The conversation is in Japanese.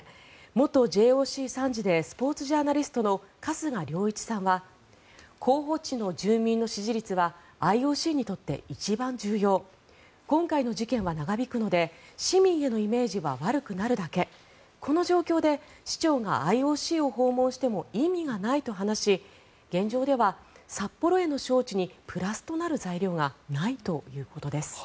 元ＪＯＣ参事でスポーツジャーナリストの春日良一さんは候補地の住民の支持率はＩＯＣにとって一番重要今回の事件は長引くので市民へのイメージは悪くなるだけこの状況で市長がＩＯＣを訪問しても意味がないと話し現状では札幌への招致にプラスとなる材料がないということです。